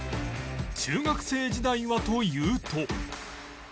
中学生時代はというと